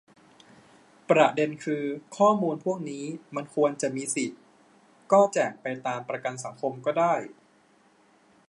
ประเด็นคือ ข้อมูลพวกนี้มันควรจะมีสิ ก็แจกไปตามประกันสังคมก็ได้